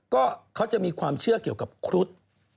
ก็เขาจะมีความเชื่อเกี่ยวกับครุฑ